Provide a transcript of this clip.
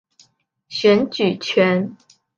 选举权。